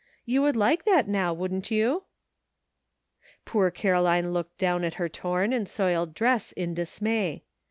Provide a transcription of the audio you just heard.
You would like that now, wouldn't you ?" Poor Caroline looked down at her torn and soiled dress in dismay.